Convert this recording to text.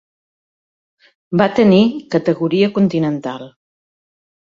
Va tenir categoria continental.